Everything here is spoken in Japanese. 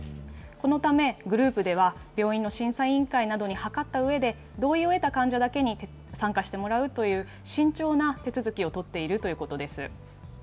このため、グループでは、病院の審査委員会などに諮ったうえで、同意を得た患者だけに参加してもらうという、慎重な手続きを取っているということです。